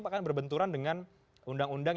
pak kan berbenturan dengan undang undang